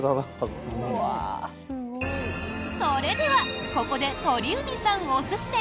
それでは、ここで鳥海さんおすすめ！